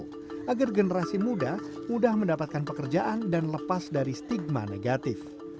mendorong agar generasi muda mudah mendapatkan pekerjaan dan lepas dari stigma negatif